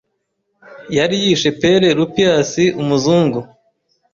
yari yishe Père Lupias umuzungu